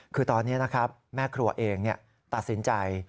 คือตอนนี้นะครับแม่ครัวเองตัดสินใจ